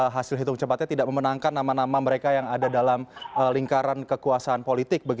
hasil hitung cepatnya tidak memenangkan nama nama mereka yang ada dalam lingkaran kekuasaan politik